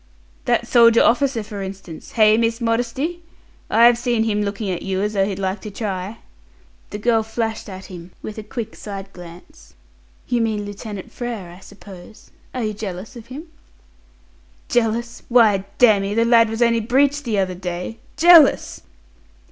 "That soldier officer, for instance. Hey, Miss Modesty? I've seen him looking at you as though he'd like to try." The girl flashed at him with a quick side glance. "You mean Lieutenant Frere, I suppose. Are you jealous of him?" "Jealous! Why, damme, the lad was only breeched the other day. Jealous!"